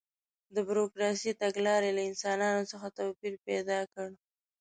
د بروکراسي تګلارې له انسانانو څخه توپیر پیدا کړ.